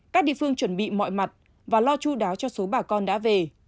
các địa phương chuẩn bị mọi mặt và lo chú đáo cho số bà con đã về